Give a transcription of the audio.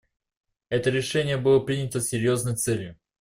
Это решение было принято с серьезной целью.